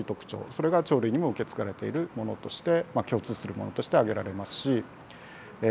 それが鳥類にも受け継がれているものとして共通するものとして挙げられますしえ